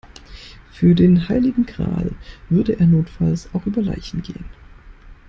Für den heiligen Gral würde er notfalls auch über Leichen gehen.